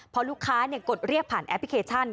พอลูกค้ากดเรียกผ่านแอปพลิเคชัน